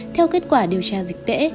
theo kết quả điều tra dịch tễ